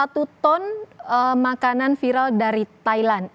satu ton makanan viral dari thailand